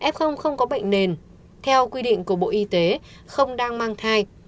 f không có bệnh nền theo quy định của bộ y tế không đang mang thai